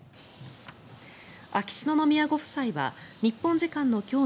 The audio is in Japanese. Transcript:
秋篠宮ご夫妻は日本時間の今日